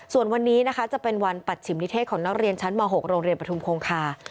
ส่วนวันนี้นะคะจะเป็นวันปัจฉิมนิเทศของนักเรียนชั้นม๖โรงเรียนปฐุมคงคา